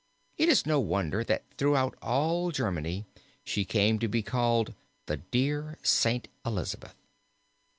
It is no wonder that throughout all Germany she came to be called "the dear St. Elizabeth."